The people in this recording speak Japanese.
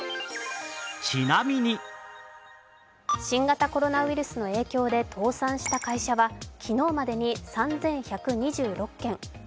新型コロナウイルスの影響で倒産した会社は、昨日までに３１２６件。